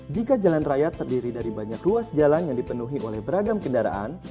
jika jalan raya terdiri dari banyak ruas jalan yang dipenuhi oleh beragam kendaraan